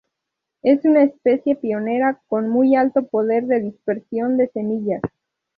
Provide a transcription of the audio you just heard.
Es una especie pionera con muy alto poder de dispersión de semillas.